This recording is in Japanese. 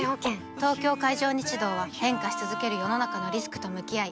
東京海上日動は変化し続ける世の中のリスクと向き合い